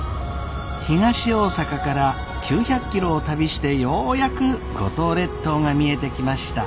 東大阪から９００キロを旅してようやく五島列島が見えてきました。